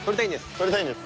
撮りたいんです。